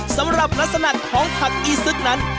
สำหรับลักษณะของผักอีซึกนั้น